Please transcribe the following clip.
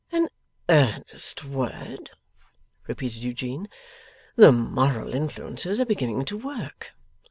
'An earnest word?' repeated Eugene. 'The moral influences are beginning to work.